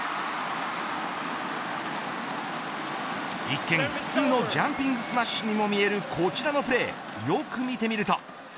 一見、普通のジャンピングスマッシュにも見えるこちらのプレーよく見てみると。